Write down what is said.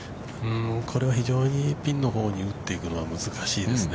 ◆これは非常にピンのほうに打っていくのは難しいですね。